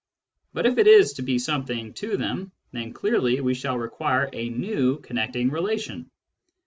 But if it is to be something to them, then clearly we shall require a new connecting relation.